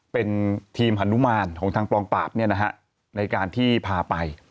เป็นทีมฮานุมานของทางกองปราบในการที่พาไป